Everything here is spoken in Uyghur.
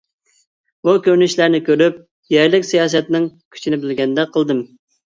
بۇ كۆرۈنۈشلەرنى كۆرۈپ، يەرلىك سىياسەتنىڭ كۈچىنى بىلگەندەك قىلدىم.